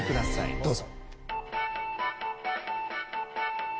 どうぞ。